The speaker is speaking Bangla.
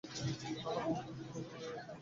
তাহার মন হঠাৎ হু-হু করিয়া উঠিল।